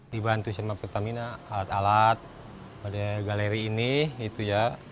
dibantu sama pertamina alat alat galeri ini itu ya